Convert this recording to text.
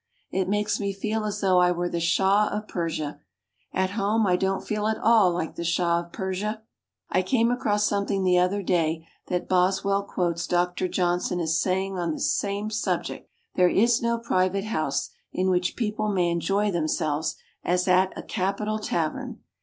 It makes me feel as though I were the Shah of Persia. At home I don't feel at all like the Shah of Persia. I came across something the other day that Boswell quotes Dr. Johnson as saying on this same subject: "There is no private house in which people may enjoy themselves as at a capital tavern.